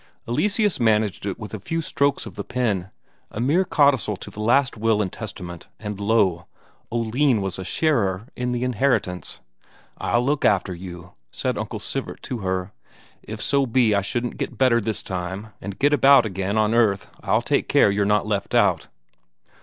Eleseus managed it with a few strokes of the pen; a mere codicil to the last will and testament, and lo, Oline was also a sharer in the inheritance. "I'll look after you," said Uncle Sivert to her. "If so be I shouldn't get better this time and get about again on earth I'll take care you're not left out."